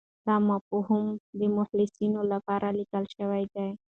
دا مفاهیم د محصلینو لپاره لیکل شوي دي.